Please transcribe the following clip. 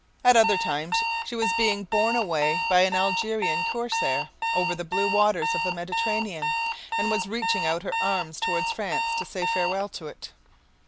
At other times she was being borne away by an Algerian corsair over the blue waters of the Mediterranean and was reaching out her arms towards France to say farewell to it.